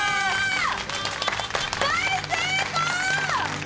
大成功！